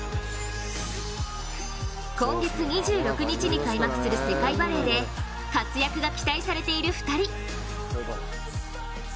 今月２６日に開幕する世界バレーで活躍が期待されている２人。